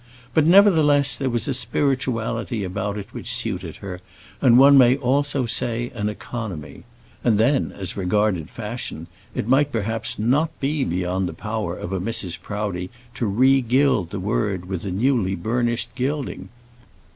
But, nevertheless, there was a spirituality about it which suited her, and one may also say an economy. And then as regarded fashion, it might perhaps not be beyond the power of a Mrs. Proudie to regild the word with a newly burnished gilding.